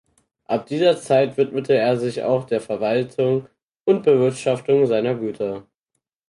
Ab dieser Zeit widmete er sich auch der Verwaltung und Bewirtschaftung seiner Güter.